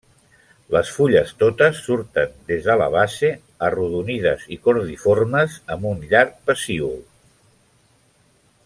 Les fulles totes surten des de la base, arrodonides i cordiformes amb un llarg pecíol.